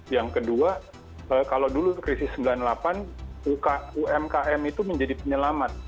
yang kedua kalau dulu krisis sembilan puluh delapan umkm itu menjadi penyelamat